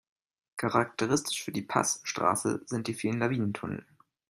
Charakteristisch für die Passstraße sind die vielen Lawinentunnel.